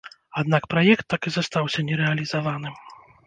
Аднак праект так і застаўся нерэалізаваным.